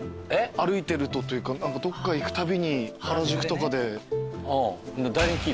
歩いてるとというかどっか行くたびに原宿とかで。